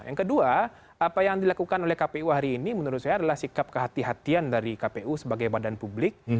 yang kedua apa yang dilakukan oleh kpu hari ini menurut saya adalah sikap kehatian dari kpu sebagai badan publik